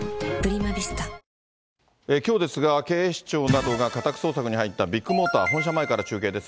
きょうですが、警視庁などが家宅捜索に入ったビッグモーター本社前から中継です。